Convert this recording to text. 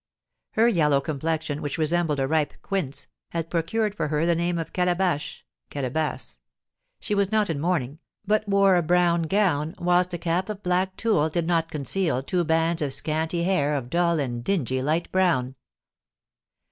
Her yellow complexion, which resembled a ripe quince, had procured for her the name of Calabash (Calebasse). She was not in mourning, but wore a brown gown, whilst a cap of black tulle did not conceal two bands of scanty hair of dull and dingy light brown.